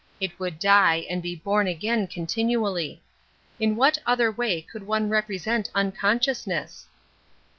It would die and be bom again continually. In what other way could one represent unconsciousness?